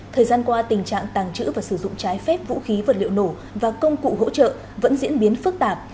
thời gian qua tình trạng tàng trữ và sử dụng trái phép vũ khí vật liệu nổ và công cụ hỗ trợ vẫn diễn biến phức tạp